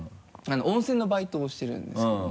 温泉のバイトをしてるんですけど。